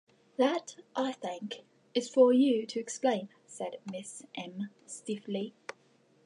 "That, I think, is for you to explain," said Mrs M. stiffly.